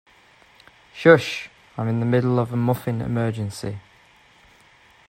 Shush! I'm in the middle of a muffin emergency.